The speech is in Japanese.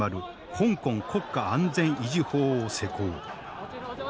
「香港国家安全維持法」を施行。